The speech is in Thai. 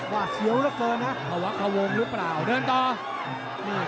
ว่าเฉียวเกือบนะ